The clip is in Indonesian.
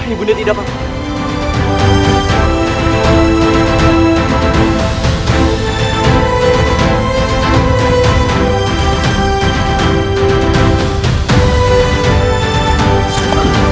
ibu nda tidak apa apa